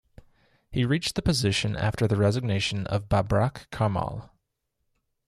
He reached the position after the resignation of Babrak Karmal.